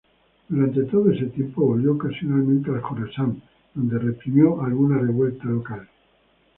Durante todo ese tiempo volvió ocasionalmente al Jorasán donde reprimió alguna revuelta local.